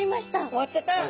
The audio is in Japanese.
終わっちゃった。